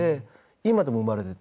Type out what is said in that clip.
今でも生まれ出て。